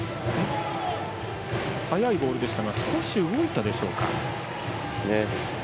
速いボールでしたが少し動いたでしょうか。